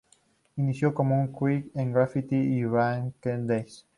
Inició como una 'crew' de grafiti y Breakdance.